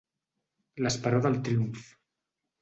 L'esperó del triomf.